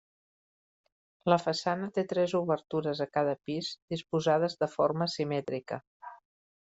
La façana té tres obertures a cada pis disposades de forma simètrica.